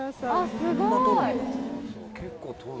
すごい！